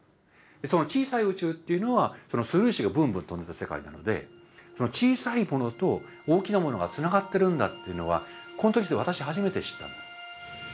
その小さい宇宙っていうのは素粒子がブンブン飛んでた世界なのでその小さいものと大きなものがつながってるんだっていうのはこの時に私初めて知ったんです。